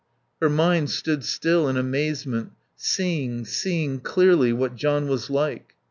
Her mind stood still in amazement, seeing, seeing clearly, what John was like.